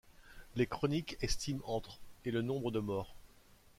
Les chroniques estiment entre et le nombre de morts.